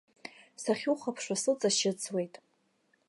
Сахьухәаԥшуа суҵашьыцуеит.